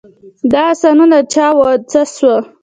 دا آسونه د چا وه او څه سوه.